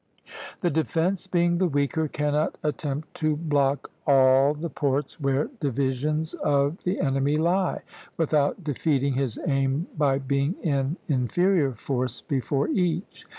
The defence, being the weaker, cannot attempt to block all the ports where divisions of the enemy lie, without defeating his aim by being in inferior force before each.